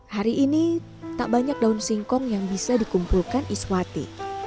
hari ini tak banyak daun singkong yang bisa dikumpulkan iswati